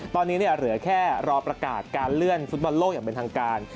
ตอนนี้เหลือแค่รอประกาศการเลื่อนฟุตบอลโลกอย่างเป็นทางการ